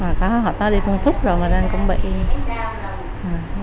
mà có họ ta đi phân thúc rồi mà đang cũng bị